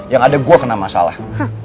yang ada gue kena masalah